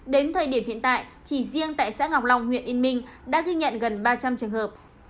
đến thời điểm hiện tại chỉ riêng tại xã ngọc long huyện yên minh đã ghi nhận gần ba trăm linh trường hợp